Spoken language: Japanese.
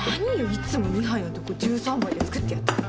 いつも２杯のとこ１３杯で作ってやったのに！